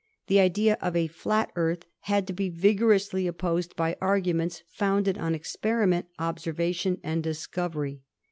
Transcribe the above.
The idea of a flat Earth had to be vigorously opposed by arguments founded on experiment, observation and discovery.